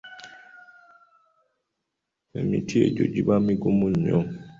Emiti egyo giba migumu nnyo.